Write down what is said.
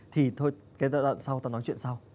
thì thôi cái giai đoạn sau ta nói chuyện sau